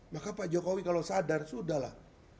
maka pak jokowi kalau sadar sudah lah